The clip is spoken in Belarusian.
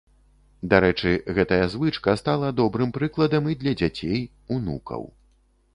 Дарэчы, гэтая звычка стала добрым прыкладам і для дзяцей, унукаў.